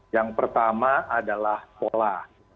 yang pertama adalah pola